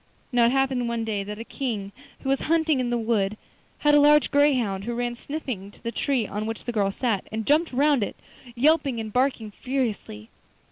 Now it happened one day that a King who was hunting in the wood had a large greyhound, who ran sniffing to the tree on which the girl sat, and jumped round it, yelping and barking furiously.